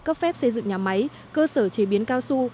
cấp phép xây dựng nhà máy cơ sở chế biến cao su